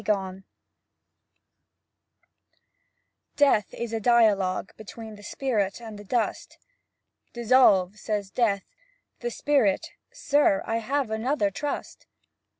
•XXXI JLJ'EATH is a dialogue between The spirit and the dust. "Dissolve," says Death. The Spirit, "Sir, I have another trust."